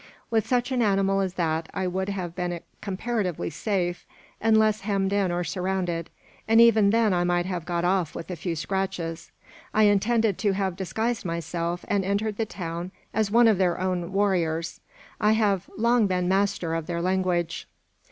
With such an animal as that, I would have been comparatively safe, unless hemmed in or surrounded, and even then I might have got off with a few scratches, I intended to have disguised myself, and entered the town as one of their own warriors. I have long been master of their language."